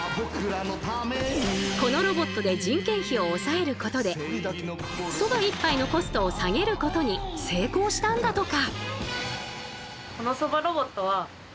このロボットで人件費を抑えることでそば１杯のコストを下げることに成功したんだとか。